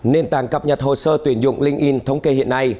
nền tảng cập nhật hồ sơ tuyển dụng linkedin thống kê hiện nay